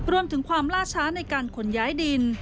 รวมถึงความล่าช้าในการขนย้ายดิน